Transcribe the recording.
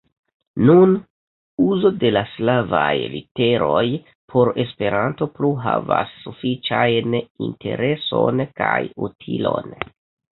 Nun, uzo de la slavaj literoj por Esperanto plu havas sufiĉajn intereson kaj utilon.